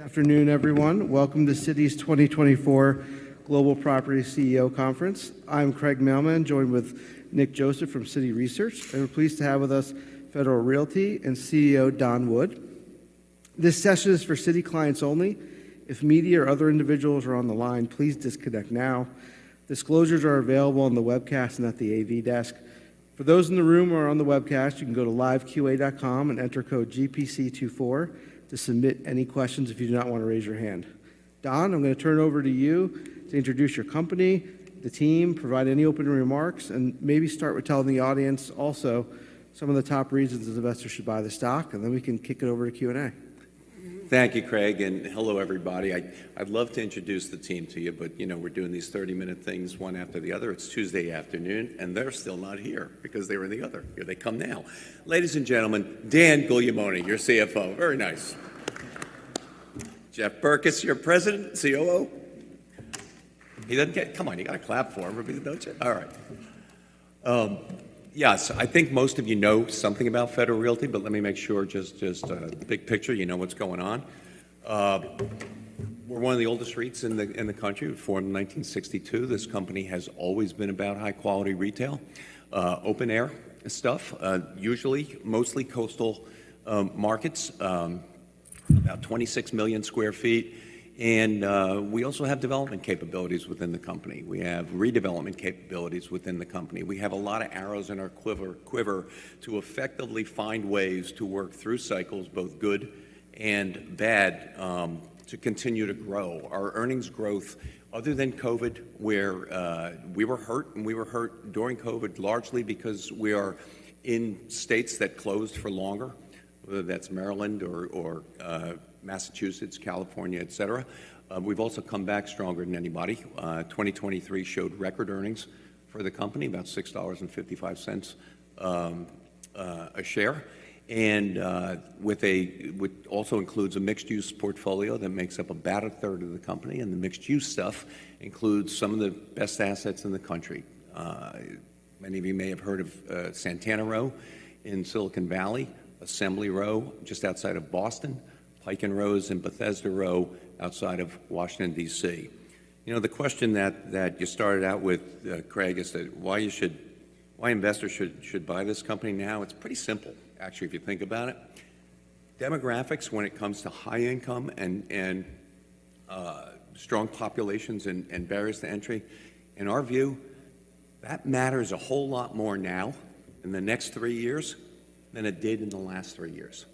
Good afternoon, everyone. Welcome to Citi's 2024 Global Property CEO Conference. I'm Craig Mailman, joined with Nick Joseph from Citi Research, and we're pleased to have with us Federal Realty and CEO Don Wood. This session is for Citi clients only. If media or other individuals are on the line, please disconnect now. Disclosures are available on the webcast and at the AV desk. For those in the room or on the webcast, you can go to LiveQA and enter code GPC24 to submit any questions if you do not want to raise your hand. Don, I'm going to turn it over to you to introduce your company, the team, provide any opening remarks, and maybe start with telling the audience also some of the top reasons an investor should buy the stock, and then we can kick it over to Q&A. Thank you, Craig Mailman, and hello, everybody. I'd love to introduce the team to you, but you know we're doing these 30-minute things one after the other. It's Tuesday afternoon, and they're still not here because they were in the other. They come now. Ladies and gentlemen, Dan Guglielmone, your CFO. Very nice. Jeff Berkes, your President, COO. He doesn't get—come on, you got to clap for him. Everybody's a double check. All right. Yeah, so I think most of you know something about Federal Realty, but let me make sure just the big picture. You know what's going on. We're one of the oldest REITs in the country. We were formed in 1962. This company has always been about high-quality retail, open-air stuff, usually mostly coastal markets, about 26 million sq ft. And we also have development capabilities within the company. We have redevelopment capabilities within the company. We have a lot of arrows in our quiver to effectively find ways to work through cycles, both good and bad, to continue to grow. Our earnings growth, other than COVID, where we were hurt and we were hurt during COVID largely because we are in states that closed for longer, whether that's Maryland or Massachusetts, California, etc. We've also come back stronger than anybody. 2023 showed record earnings for the company, about $6.55 a share, and also includes a mixed-use portfolio that makes up about a third of the company. The mixed-use stuff includes some of the best assets in the country. Many of you may have heard of Santana Row in Silicon Valley, Assembly Row just outside of Boston, Pike & Rose, Bethesda Row outside of Washington, D.C. You know, the question that you started out with, Craig, is that why investors should buy this company now? It's pretty simple, actually, if you think about it. Demographics, when it comes to high income and strong populations and barriers to entry, in our view, that matters a whole lot more now in the next three years than it did in the last three years.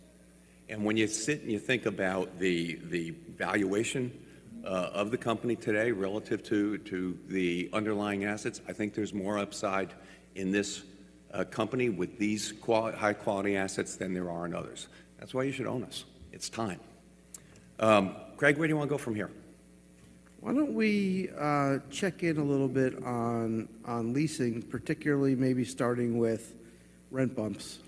And when you sit and you think about the valuation of the company today relative to the underlying assets, I think there's more upside in this company with these high-quality assets than there are in others. That's why you should own us. It's time. Craig, where do you want to go from here? Why don't we check in a little bit on leasing, particularly maybe starting with rent bumps?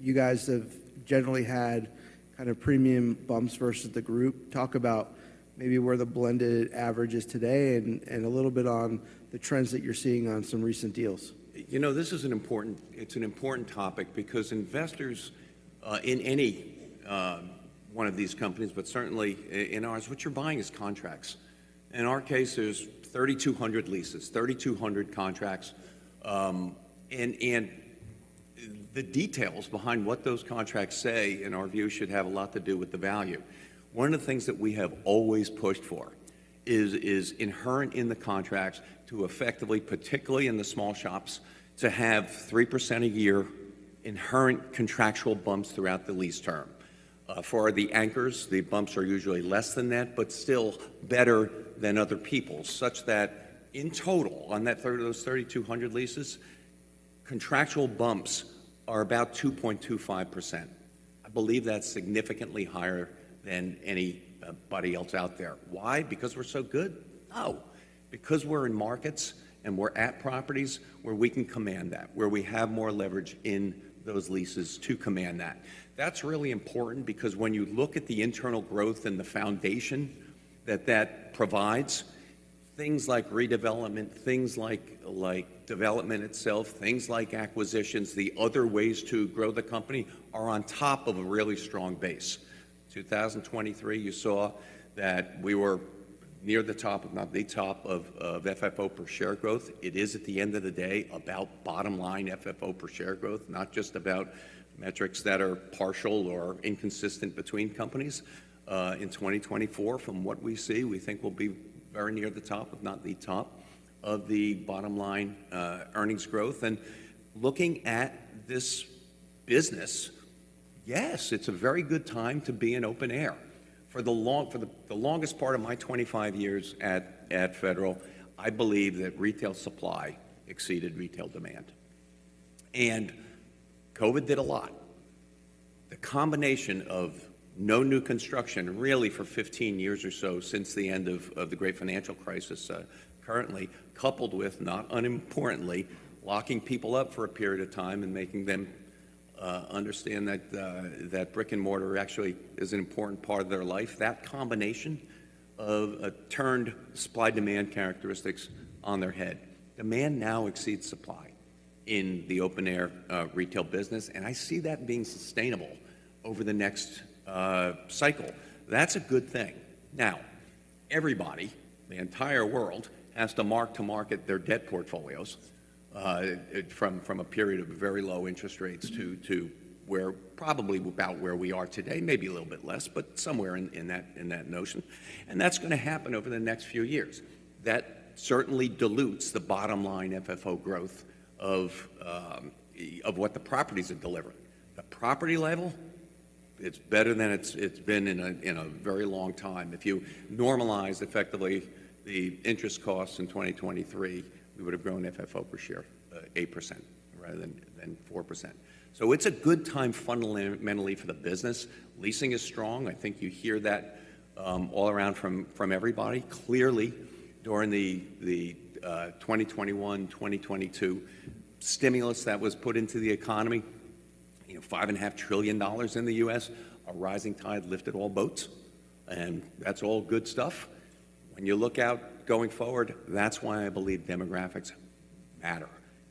You guys have generally had kind of premium bumps versus the group. Talk about maybe where the blended average is today and a little bit on the trends that you're seeing on some recent deals. You know, this is an important topic because investors in any one of these companies, but certainly in ours, what you're buying is contracts. In our case, there's 3,200 leases, 3,200 contracts, and the details behind what those contracts say, in our view, should have a lot to do with the value. One of the things that we have always pushed for is inherent in the contracts to effectively, particularly in the small shops, to have 3% a year inherent contractual bumps throughout the lease term. For the anchors, the bumps are usually less than that but still better than other people, such that in total, on that third of those 3,200 leases, contractual bumps are about 2.25%. I believe that's significantly higher than anybody else out there. Why? Because we're so good? No. Because we're in markets and we're at properties where we can command that, where we have more leverage in those leases to command that. That's really important because when you look at the internal growth and the foundation that that provides, things like redevelopment, things like development itself, things like acquisitions, the other ways to grow the company are on top of a really strong base. In 2023, you saw that we were near the top of not the top of FFO per share growth. It is, at the end of the day, about bottom-line FFO per share growth, not just about metrics that are partial or inconsistent between companies. In 2024, from what we see, we think we'll be very near the top of not the top of the bottom-line earnings growth. Looking at this business, yes, it's a very good time to be in open air. For the longest part of my 25 years at Federal, I believe that retail supply exceeded retail demand. COVID did a lot. The combination of no new construction, really, for 15 years or so since the end of the Great Financial Crisis currently, coupled with, not unimportantly, locking people up for a period of time and making them understand that brick and mortar actually is an important part of their life, that combination turned supply-demand characteristics on their head. Demand now exceeds supply in the open-air retail business, and I see that being sustainable over the next cycle. That's a good thing. Now, everybody, the entire world, has to mark-to-market their debt portfolios from a period of very low interest rates to where probably about where we are today, maybe a little bit less, but somewhere in that notion. That's going to happen over the next few years. That certainly dilutes the bottom-line FFO growth of what the properties are delivering. The property level, it's better than it's been in a very long time. If you normalize, effectively, the interest costs in 2023, we would have grown FFO per share 8% rather than 4%. So it's a good time fundamentally for the business. Leasing is strong. I think you hear that all around from everybody. Clearly, during the 2021, 2022 stimulus that was put into the economy, you know, $5.5 trillion in the U.S., a rising tide lifted all boats, and that's all good stuff. When you look out going forward, that's why I believe demographics matter,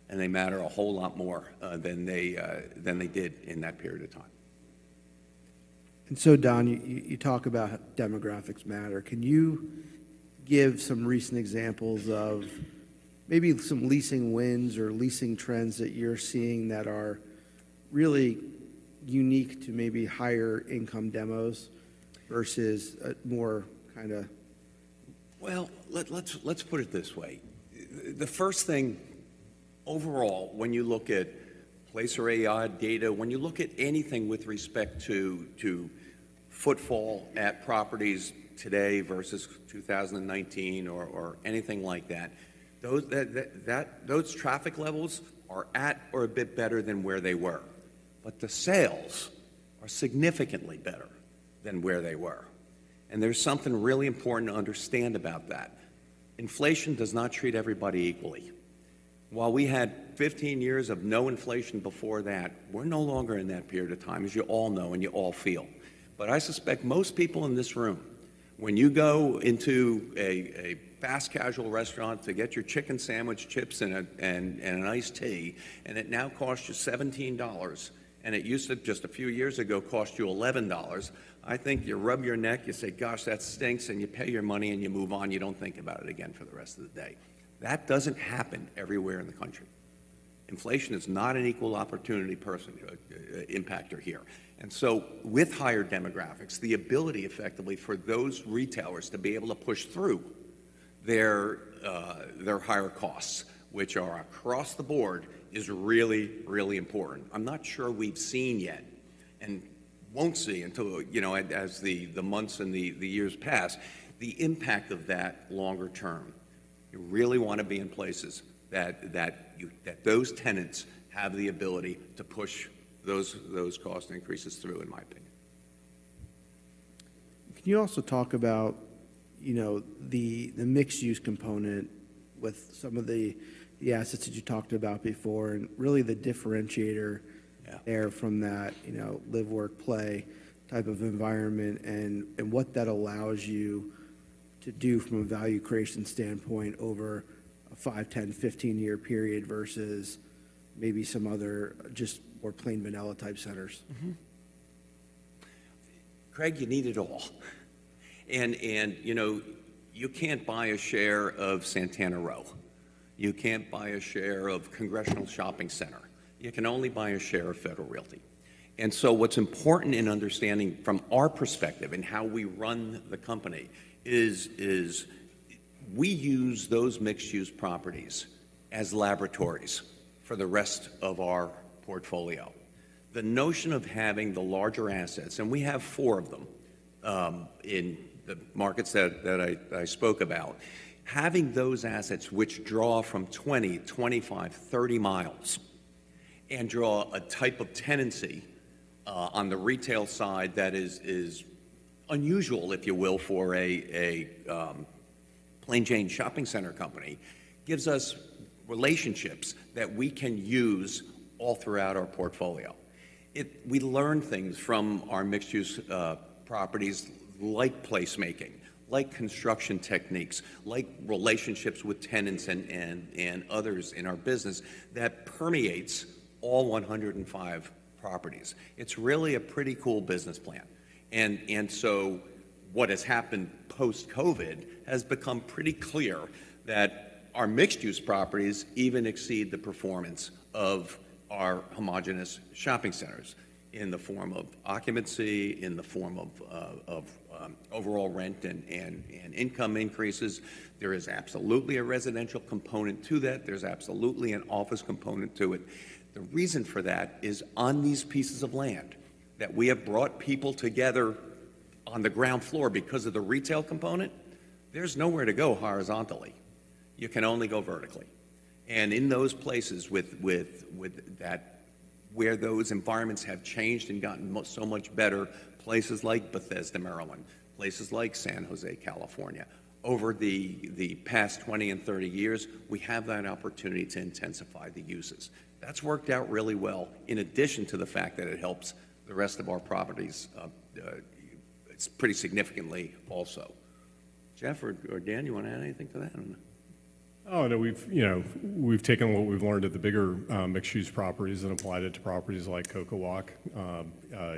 and they matter a whole lot more than they did in that period of time. And so, Don, you talk about demographics matter. Can you give some recent examples of maybe some leasing wins or leasing trends that you're seeing that are really unique to maybe higher-income demos versus more kind of? Well, let's put it this way. The first thing, overall, when you look at Placer.ai data, when you look at anything with respect to footfall at properties today versus 2019 or anything like that, those traffic levels are at or a bit better than where they were. But the sales are significantly better than where they were. And there's something really important to understand about that. Inflation does not treat everybody equally. While we had 15 years of no inflation before that, we're no longer in that period of time, as you all know and you all feel. But I suspect most people in this room, when you go into a fast-casual restaurant to get your chicken sandwich, chips, and an iced tea, and it now costs you $17, and it used to, just a few years ago, cost you $11, I think you rub your neck, you say, "Gosh, that stinks," and you pay your money and you move on. You don't think about it again for the rest of the day. That doesn't happen everywhere in the country. Inflation is not an equal opportunity impactor here. And so with higher demographics, the ability, effectively, for those retailers to be able to push through their higher costs, which are across the board, is really, really important. I'm not sure we've seen yet and won't see until, you know, as the months and the years pass, the impact of that longer term. You really want to be in places that those tenants have the ability to push those cost increases through, in my opinion. Can you also talk about, you know, the mixed-use component with some of the assets that you talked about before and really the differentiator there from that, you know, live, work, play type of environment and what that allows you to do from a value creation standpoint over a 5, 10, 15-year period versus maybe some other just more plain vanilla-type centers? Craig, you need it all. You know, you can't buy a share of Santana Row. You can't buy a share of Congressional Plaza. You can only buy a share of Federal Realty. And so what's important in understanding, from our perspective and how we run the company, is we use those mixed-use properties as laboratories for the rest of our portfolio. The notion of having the larger assets, and we have 4 of them in the markets that I spoke about, having those assets which draw from 20, 25, 30 miles and draw a type of tenancy on the retail side that is unusual, if you will, for a Plain Jane shopping center company gives us relationships that we can use all throughout our portfolio. We learn things from our mixed-use properties like placemaking, like construction techniques, like relationships with tenants and others in our business that permeates all 105 properties. It's really a pretty cool business plan. And so what has happened post-COVID has become pretty clear that our mixed-use properties even exceed the performance of our homogeneous shopping centers in the form of occupancy, in the form of overall rent and income increases. There is absolutely a residential component to that. There's absolutely an office component to it. The reason for that is on these pieces of land that we have brought people together on the ground floor because of the retail component, there's nowhere to go horizontally. You can only go vertically. In those places with that, where those environments have changed and gotten so much better, places like Bethesda, Maryland, places like San Jose, California, over the past 20 and 30 years, we have that opportunity to intensify the uses. That's worked out really well in addition to the fact that it helps the rest of our properties pretty significantly also. Jeffrey or Daniel, you want to add anything to that? Oh, no. We've, you know, we've taken what we've learned at the bigger mixed-use properties and applied it to properties like CocoWalk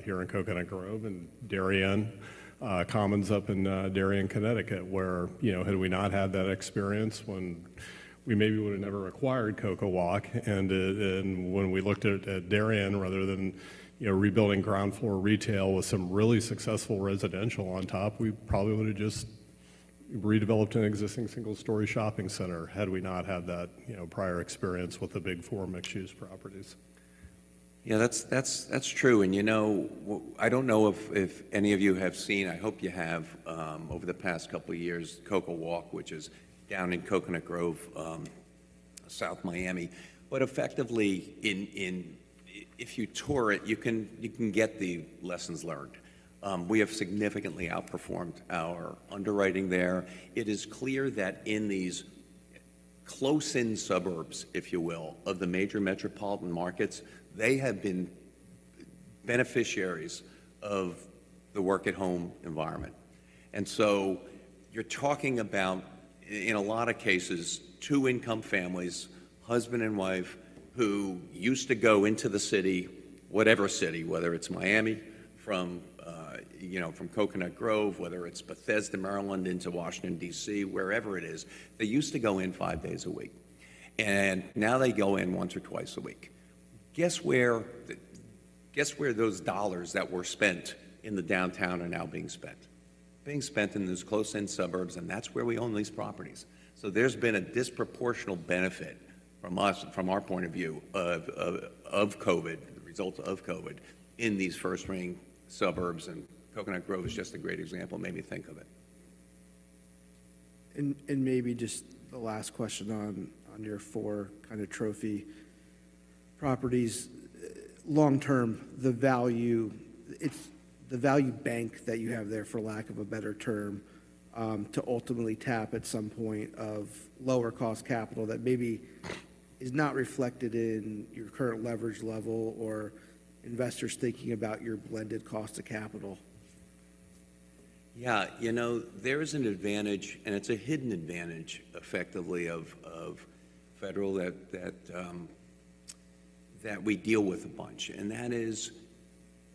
here in Coconut Grove and Darien Commons up in Darien, Connecticut, where, you know, had we not had that experience when we maybe would have never acquired CocoWalk, and when we looked at Darien, rather than, you know, rebuilding ground floor retail with some really successful residential on top, we probably would have just redeveloped an existing single-story shopping center had we not had that, you know, prior experience with the Big Four mixed-use properties. Yeah, that's true. And, you know, I don't know if any of you have seen, I hope you have, over the past couple of years, CocoWalk, which is down in Coconut Grove, South Miami. But effectively, if you tour it, you can get the lessons learned. We have significantly outperformed our underwriting there. It is clear that in these close-in suburbs, if you will, of the major metropolitan markets, they have been beneficiaries of the work-at-home environment. And so you're talking about, in a lot of cases, two-income families, husband and wife, who used to go into the city, whatever city, whether it's Miami, you know, from Coconut Grove, whether it's Bethesda, Maryland, into Washington, D.C., wherever it is, they used to go in five days a week. And now they go in once or twice a week. Guess where those dollars that were spent in the downtown are now being spent? Being spent in those close-in suburbs, and that's where we own these properties. So there's been a disproportional benefit from us, from our point of view, of COVID, the results of COVID, in these first-ring suburbs, and Coconut Grove is just a great example, made me think of it. Maybe just the last question on your four kind of trophy properties. Long term, the value, it's the value bank that you have there, for lack of a better term, to ultimately tap at some point of lower-cost capital that maybe is not reflected in your current leverage level or investors thinking about your blended cost of capital. Yeah. You know, there is an advantage, and it's a hidden advantage, effectively, of Federal that we deal with a bunch. And that is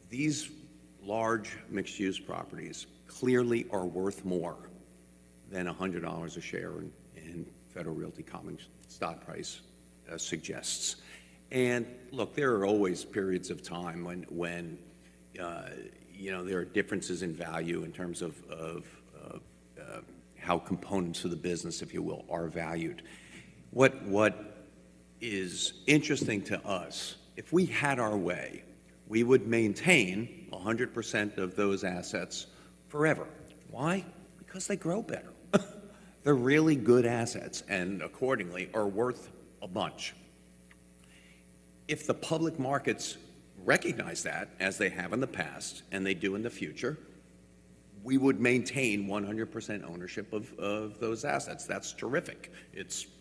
these large mixed-use properties clearly are worth more than $100 a share in Federal Realty common stock price suggests. And look, there are always periods of time when, you know, there are differences in value in terms of how components of the business, if you will, are valued. What is interesting to us, if we had our way, we would maintain 100% of those assets forever. Why? Because they grow better. They're really good assets and, accordingly, are worth a bunch. If the public markets recognize that, as they have in the past and they do in the future, we would maintain 100% ownership of those assets. That's terrific.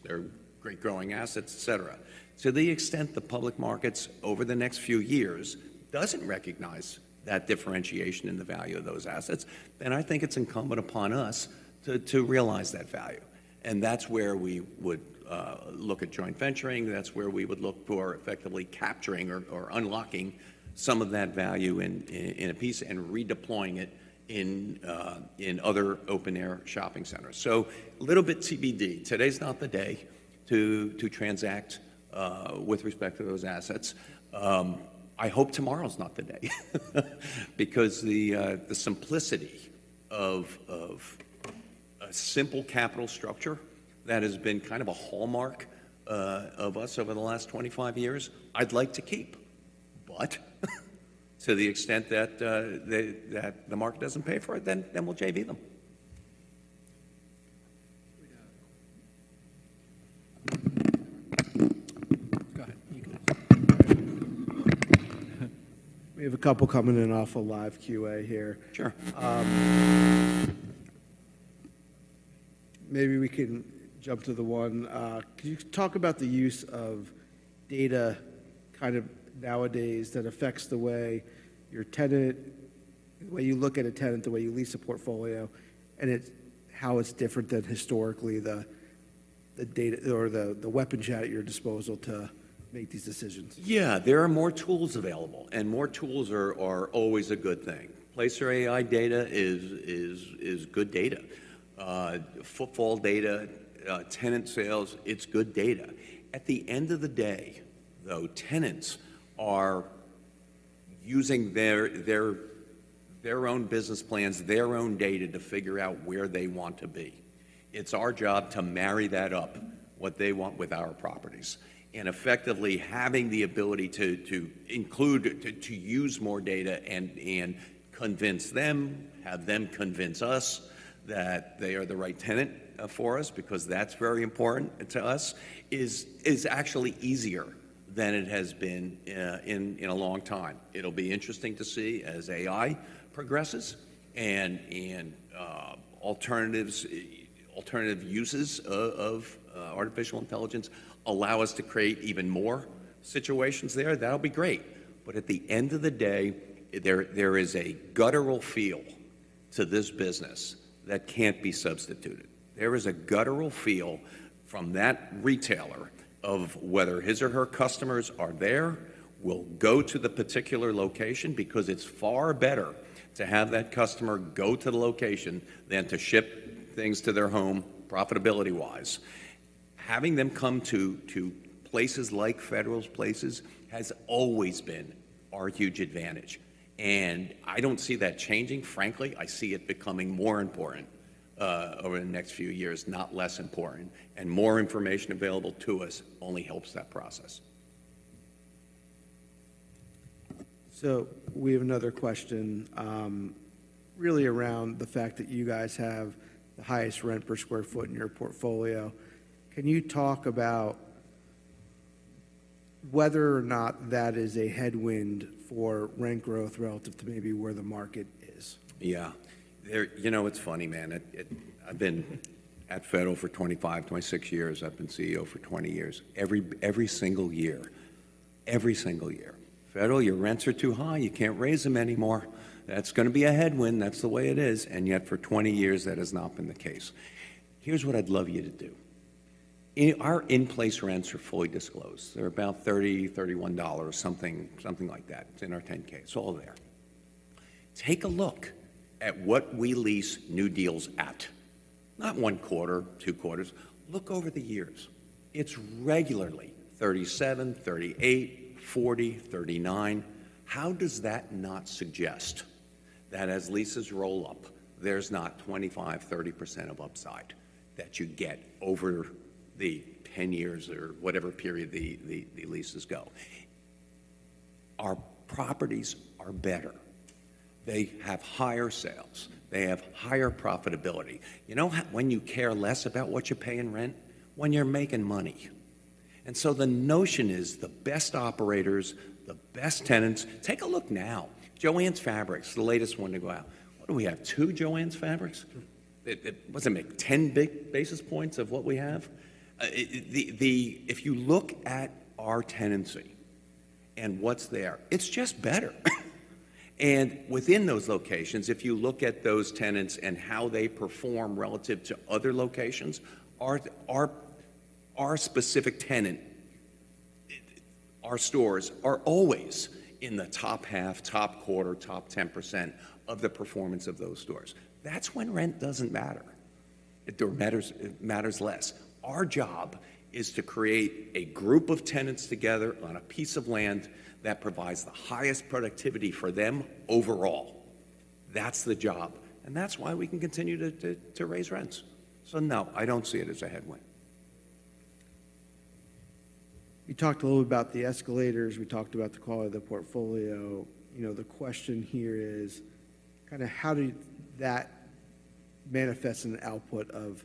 They're great-growing assets, et cetera. To the extent the public markets, over the next few years, doesn't recognize that differentiation in the value of those assets, then I think it's incumbent upon us to realize that value. And that's where we would look at joint venturing. That's where we would look for, effectively, capturing or unlocking some of that value in a piece and redeploying it in other open-air shopping centers. So a little bit TBD. Today's not the day to transact with respect to those assets. I hope tomorrow's not the day because the simplicity of a simple capital structure that has been kind of a hallmark of us over the last 25 years, I'd like to keep. But to the extent that the market doesn't pay for it, then we'll JV them. Go ahead. You can answer. We have a couple coming in off a live Q&A here. Maybe we can jump to the one. Could you talk about the use of data kind of nowadays that affects the way your tenant, the way you look at a tenant, the way you lease a portfolio, and how it's different than historically the data or the weapons you had at your disposal to make these decisions? Yeah. There are more tools available, and more tools are always a good thing. Placer.ai data is good data. Footfall data, tenant sales, it's good data. At the end of the day, though, tenants are using their own business plans, their own data to figure out where they want to be. It's our job to marry that up, what they want, with our properties. And effectively, having the ability to include, to use more data and convince them, have them convince us that they are the right tenant for us because that's very important to us, is actually easier than it has been in a long time. It'll be interesting to see as AI progresses and alternatives, alternative uses of artificial intelligence allow us to create even more situations there. That'll be great. At the end of the day, there is a guttural feel to this business that can't be substituted. There is a guttural feel from that retailer of whether his or her customers are there, will go to the particular location because it's far better to have that customer go to the location than to ship things to their home profitability-wise. Having them come to places like Federal's places has always been our huge advantage. I don't see that changing, frankly. I see it becoming more important over the next few years, not less important. More information available to us only helps that process. We have another question, really around the fact that you guys have the highest rent per sq ft in your portfolio. Can you talk about whether or not that is a headwind for rent growth relative to maybe where the market is? Yeah. You know, it's funny, man. I've been at Federal for 25, 26 years. I've been CEO for 20 years. Every single year, every single year, Federal, your rents are too high. You can't raise them anymore. That's going to be a headwind. That's the way it is. And yet, for 20 years, that has not been the case. Here's what I'd love you to do. Our in-place rents are fully disclosed. They're about $30, $31, something like that. It's in our 10-K. It's all there. Take a look at what we lease new deals at. Not one quarter, two quarters. Look over the years. It's regularly $37, $38, $40, $39. How does that not suggest that as leases roll up, there's not 25%, 30% of upside that you get over the 10 years or whatever period the leases go? Our properties are better. They have higher sales. They have higher profitability. You know when you care less about what you're paying rent? When you're making money. And so the notion is the best operators, the best tenants, take a look now. JOANN, the latest one to go out. What do we have? Two JOANN? What does it make? 10 big basis points of what we have? If you look at our tenancy and what's there, it's just better. And within those locations, if you look at those tenants and how they perform relative to other locations, our specific tenant, our stores are always in the top half, top quarter, top 10% of the performance of those stores. That's when rent doesn't matter. It matters less. Our job is to create a group of tenants together on a piece of land that provides the highest productivity for them overall. That's the job. And that's why we can continue to raise rents. So no, I don't see it as a headwind. You talked a little bit about the escalators. We talked about the quality of the portfolio. You know, the question here is kind of how does that manifest in the output of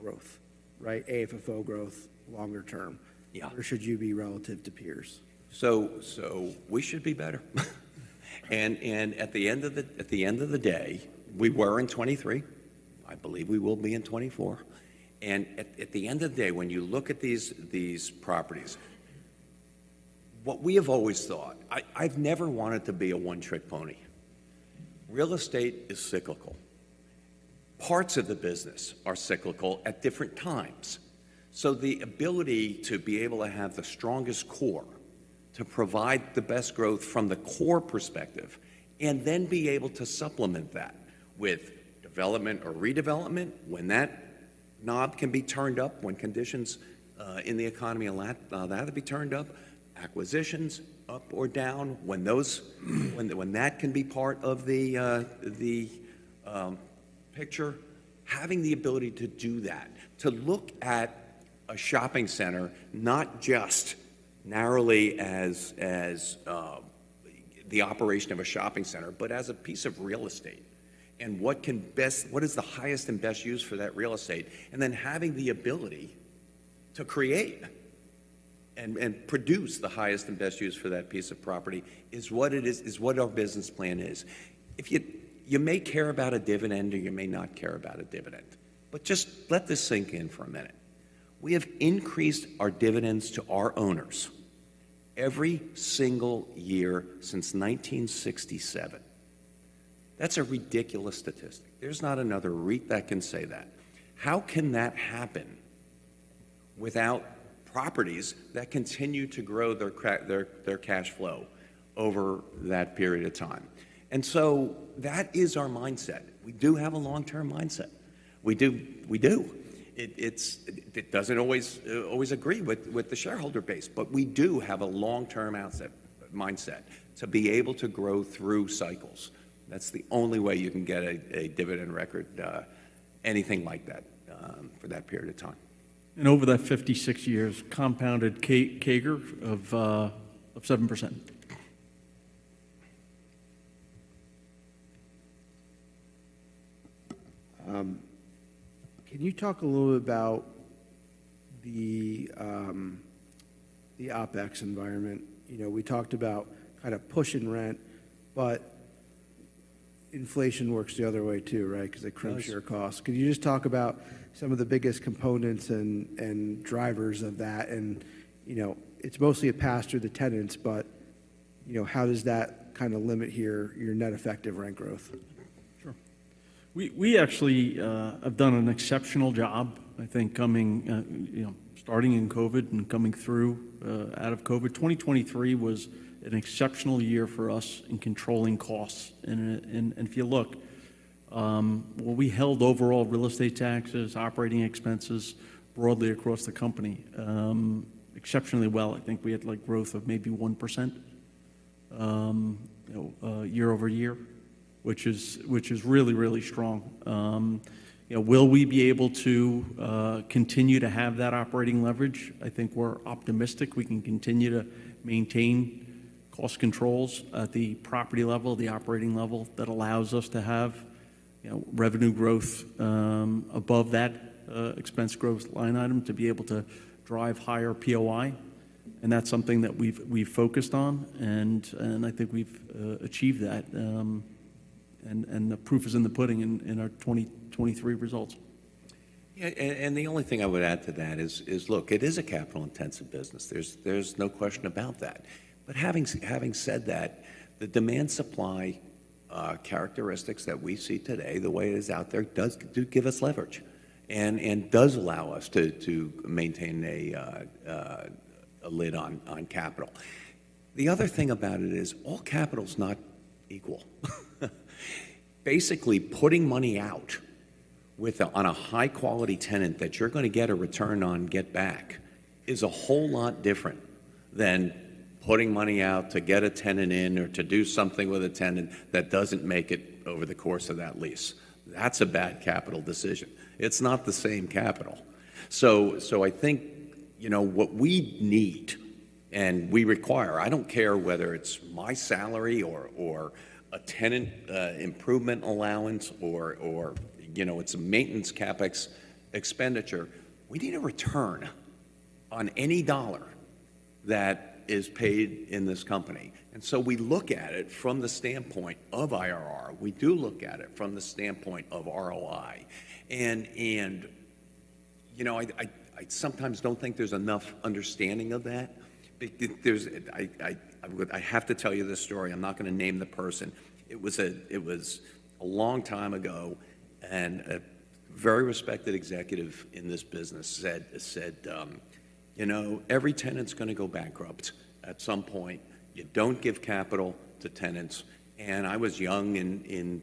growth, right? AFFO growth longer term. Or should you be relative to peers? We should be better. At the end of the day, we were in 2023. I believe we will be in 2024. At the end of the day, when you look at these properties, what we have always thought, I've never wanted to be a one-trick pony. Real estate is cyclical. Parts of the business are cyclical at different times. So the ability to be able to have the strongest core to provide the best growth from the core perspective and then be able to supplement that with development or redevelopment when that knob can be turned up, when conditions in the economy allow that to be turned up, acquisitions up or down, when that can be part of the picture, having the ability to do that, to look at a shopping center not just narrowly as the operation of a shopping center, but as a piece of real estate and what can best, what is the highest and best use for that real estate, and then having the ability to create and produce the highest and best use for that piece of property is what our business plan is. You may care about a dividend or you may not care about a dividend. Just let this sink in for a minute. We have increased our dividends to our owners every single year since 1967. That's a ridiculous statistic. There's not another REIT that can say that. How can that happen without properties that continue to grow their cash flow over that period of time? And so that is our mindset. We do have a long-term mindset. We do. It doesn't always agree with the shareholder base, but we do have a long-term mindset to be able to grow through cycles. That's the only way you can get a dividend record, anything like that, for that period of time. Over that 56 years, compounded CAGR of 7%. Can you talk a little bit about the OpEx environment? You know, we talked about kind of pushing rent, but inflation works the other way too, right? Because it crimps your costs. Could you just talk about some of the biggest components and drivers of that? You know, it's mostly a pass through to the tenants, but, you know, how does that kind of limit here your net effective rent growth? Sure. We actually have done an exceptional job, I think, coming, you know, starting in COVID and coming through out of COVID. 2023 was an exceptional year for us in controlling costs. And if you look, well, we held overall real estate taxes, operating expenses broadly across the company exceptionally well. I think we had, like, growth of maybe 1% year-over-year, which is really, really strong. You know, will we be able to continue to have that operating leverage? I think we're optimistic we can continue to maintain cost controls at the property level, the operating level that allows us to have, you know, revenue growth above that expense growth line item to be able to drive higher POI. And that's something that we've focused on. And I think we've achieved that. And the proof is in the pudding in our 2023 results. Yeah. The only thing I would add to that is, look, it is a capital-intensive business. There's no question about that. But having said that, the demand-supply characteristics that we see today, the way it is out there, do give us leverage and does allow us to maintain a lid on capital. The other thing about it is all capital is not equal. Basically, putting money out on a high-quality tenant that you're going to get a return on get back is a whole lot different than putting money out to get a tenant in or to do something with a tenant that doesn't make it over the course of that lease. That's a bad capital decision. It's not the same capital. So I think, you know, what we need and we require, I don't care whether it's my salary or a tenant improvement allowance or, you know, it's a maintenance CapEx expenditure, we need a return on any dollar that is paid in this company. And so we look at it from the standpoint of IRR. We do look at it from the standpoint of ROI. And, you know, I sometimes don't think there's enough understanding of that. I have to tell you this story. I'm not going to name the person. It was a long time ago, and a very respected executive in this business said, you know, every tenant's going to go bankrupt at some point. You don't give capital to tenants. And I was young in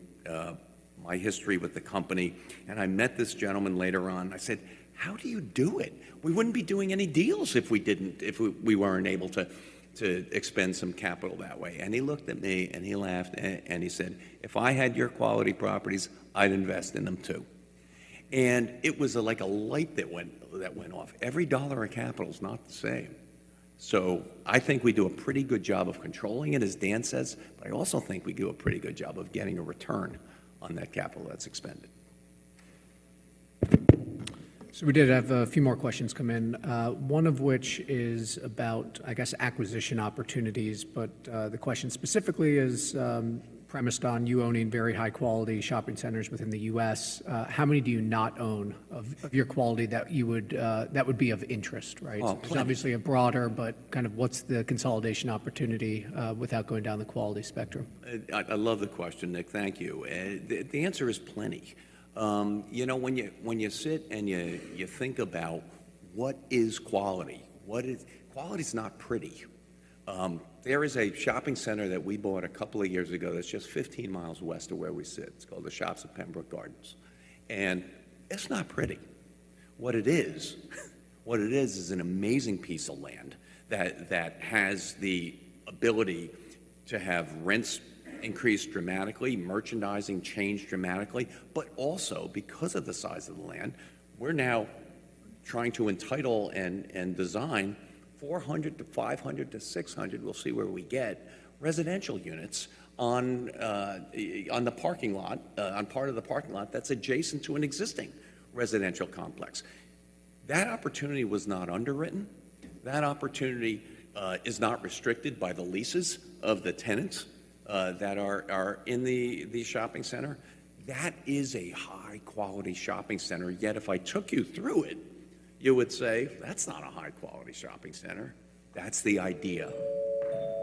my history with the company. And I met this gentleman later on. I said, how do you do it? We wouldn't be doing any deals if we didn't, if we weren't able to expend some capital that way. And he looked at me and he laughed and he said, "If I had your quality properties, I'd invest in them too." And it was like a light that went off. Every dollar of capital is not the same. So I think we do a pretty good job of controlling it, as Dan says, but I also think we do a pretty good job of getting a return on that capital that's expended. So we did have a few more questions come in, one of which is about, I guess, acquisition opportunities. But the question specifically is premised on you owning very high-quality shopping centers within the U.S. How many do you not own of your quality that would be of interest, right? It's obviously a broader, but kind of what's the consolidation opportunity without going down the quality spectrum? I love the question, Nick. Thank you. The answer is plenty. You know, when you sit and you think about what is quality, quality is not pretty. There is a shopping center that we bought a couple of years ago that's just 15 miles west of where we sit. It's called The Shops at Pembroke Gardens. It's not pretty. What it is, what it is is an amazing piece of land that has the ability to have rents increased dramatically, merchandising changed dramatically, but also because of the size of the land, we're now trying to entitle and design 400-600, we'll see where we get, residential units on the parking lot, on part of the parking lot that's adjacent to an existing residential complex. That opportunity was not underwritten. That opportunity is not restricted by the leases of the tenants that are in the shopping center. That is a high-quality shopping center. Yet, if I took you through it, you would say, that's not a high-quality shopping center. That's the idea.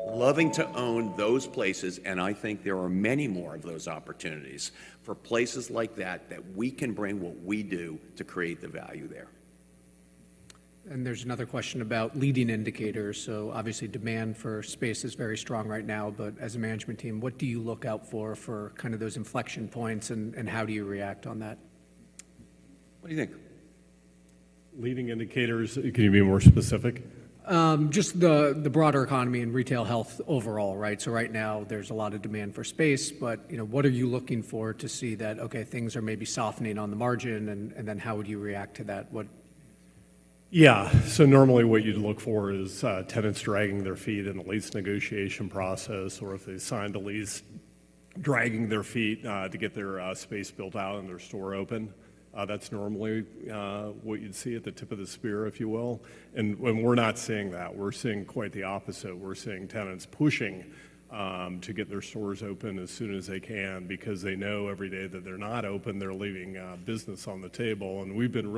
Loving to own those places, and I think there are many more of those opportunities for places like that that we can bring what we do to create the value there. There's another question about leading indicators. Obviously, demand for space is very strong right now. As a management team, what do you look out for kind of those inflection points and how do you react on that? What do you think? Leading indicators. Can you be more specific? Just the broader economy and retail health overall, right? So right now, there's a lot of demand for space. But, you know, what are you looking for to see that, okay, things are maybe softening on the margin? And then how would you react to that? Yeah. So normally, what you'd look for is tenants dragging their feet in the lease negotiation process or if they signed a lease, dragging their feet to get their space built out and their store open. That's normally what you'd see at the tip of the spear, if you will. And we're not seeing that. We're seeing quite the opposite. We're seeing tenants pushing to get their stores open as soon as they can because they know every day that they're not open, they're leaving business on the table. We've been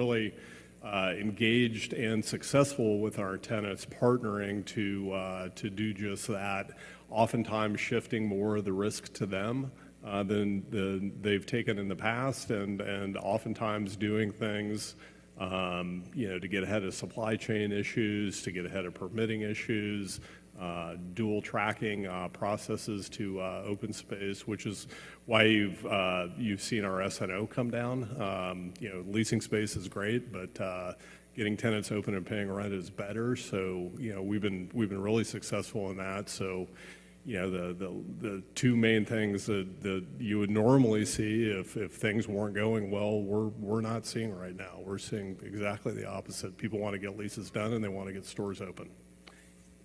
really engaged and successful with our tenants partnering to do just that, oftentimes shifting more of the risk to them than they've taken in the past and oftentimes doing things, you know, to get ahead of supply chain issues, to get ahead of permitting issues, dual tracking processes to open space, which is why you've seen our SNO come down. You know, leasing space is great, but getting tenants open and paying rent is better. So, you know, we've been really successful in that. So, you know, the two main things that you would normally see if things weren't going well, we're not seeing right now. We're seeing exactly the opposite. People want to get leases done and they want to get stores open.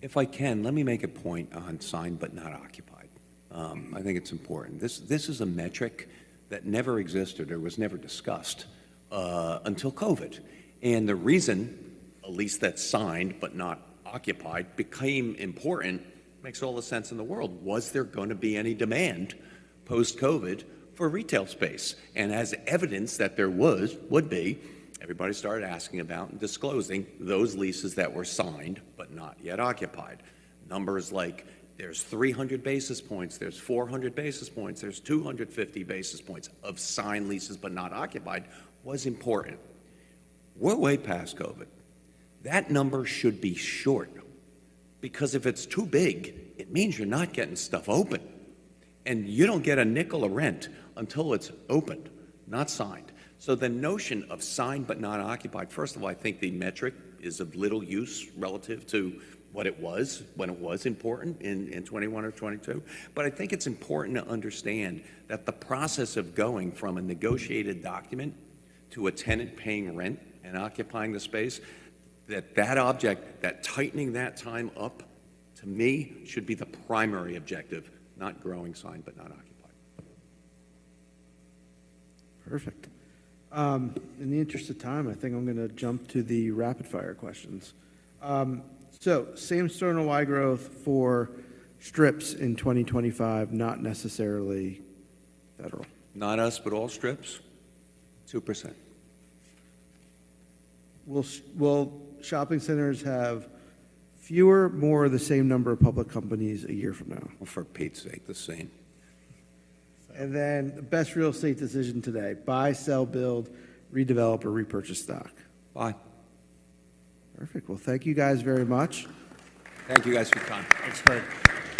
If I can, let me make a point on signed but not occupied. I think it's important. This is a metric that never existed. It was never discussed until COVID. And the reason a lease that's signed but not occupied became important makes all the sense in the world. Was there going to be any demand post-COVID for retail space? And as evidence that there was, would be, everybody started asking about and disclosing those leases that were signed but not yet occupied. Numbers like there's 300 basis points, there's 400 basis points, there's 250 basis points of signed leases but not occupied was important. We're way past COVID. That number should be short because if it's too big, it means you're not getting stuff open. And you don't get a nickel of rent until it's opened, not signed. The notion of signed but not occupied, first of all, I think the metric is of little use relative to what it was when it was important in 2021 or 2022. I think it's important to understand that the process of going from a negotiated document to a tenant paying rent and occupying the space, that object, that tightening that time up, to me, should be the primary objective, not growing signed but not occupied. Perfect. In the interest of time, I think I'm going to jump to the rapid-fire questions. So same-store NOI growth for strips in 2025, not necessarily Federal. Not us, but all strips, 2%. Will shopping centers have fewer, more of the same number of public companies a year from now? For Pete's sake, the same. And then, the best real estate decision today: buy, sell, build, redevelop, or repurchase stock? Buy. Perfect. Well, thank you guys very much. Thank you guys for your time. Thanks, Craig.